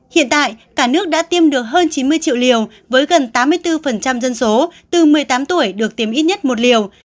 hiện tại cả nước đã tiêm được hơn chín mươi triệu liều với gần tám mươi bốn dân số từ một mươi tám tuổi được tiêm ít nhất một liều